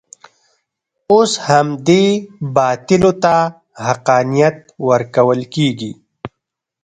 اوس همدې باطلو ته حقانیت ورکول کېږي.